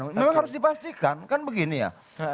memang harus dipastikan kan begini ya